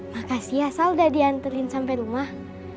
makasih ya saya sudah diantarkan sampai rumah